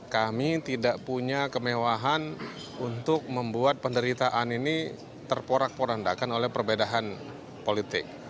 kami tidak punya kemewahan untuk membuat penderitaan ini terporak porandakan oleh perbedaan politik